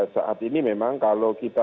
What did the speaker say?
saat ini memang kalau kita